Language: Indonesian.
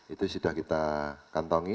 itu sudah kita kantongi